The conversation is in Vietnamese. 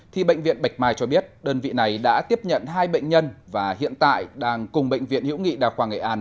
thì bệnh viện bạch mai cho biết đơn vị này đã tiếp nhận hai bệnh nhân và hiện tại đang cùng bệnh viện hữu nghị đào khoa nghệ an